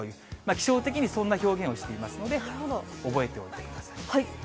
気象的にそんな表現をしていますので、覚えておいてください。